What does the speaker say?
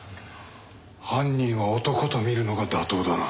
犯人は男と見るのが妥当だな。